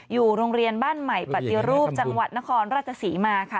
อยู่โรงเรียนบ้านใหม่ปฏิรูปจังหวัดนครราชศรีมาค่ะ